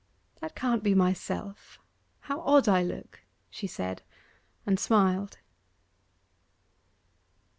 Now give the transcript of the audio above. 'That can't be myself; how odd I look!' she said, and smiled.